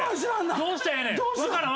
どうしたらええねん。